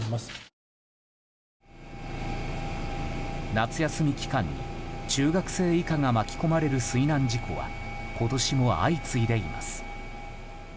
夏休み期間に中学生以下が巻き込まれる水難事故は今年も相次いでいます。